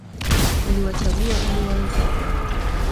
Uliwachagua ili wawe wako